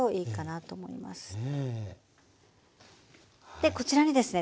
でこちらにですね